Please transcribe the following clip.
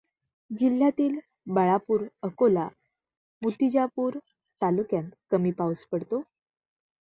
जिल्ह्यातील बाळापूर, अकोला, मूतिजापूर तालुक्यांत कमी पाऊस पडतो.